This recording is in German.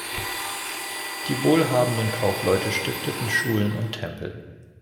Die wohlhabenden Kaufleute stifteten Schulen und Tempel.